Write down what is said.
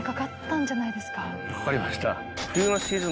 かかりました。